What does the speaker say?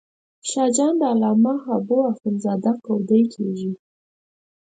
شاه جان د علامه حبو اخند زاده کودی کېږي.